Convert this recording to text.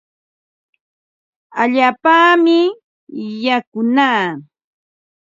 Allaapami yakunaa.